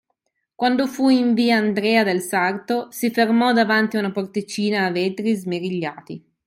Quando fu in via Andrea del Sarto, si fermò davanti a una porticina a vetri smerigliati